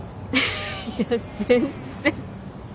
いや全然。